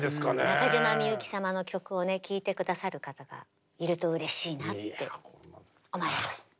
中島みゆき様の曲をね聴いて下さる方がいるとうれしいなって思います。